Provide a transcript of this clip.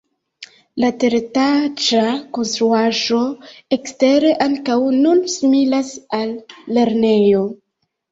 La teretaĝa konstruaĵo ekstere ankaŭ nun similas al lernejo.